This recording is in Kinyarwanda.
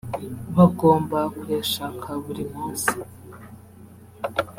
bagomba kuyashaka buri munsi